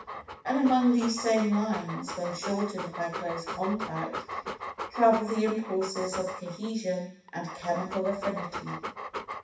And along these same lines—when shortened by close contact, travel the impulses of Cohesion and Chemical Affinity.